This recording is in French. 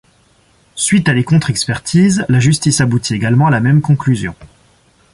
Suite à des contre-expertises, la justice aboutit également à la même conclusion.